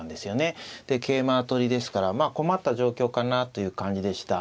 で桂馬取りですから困った状況かなという感じでした。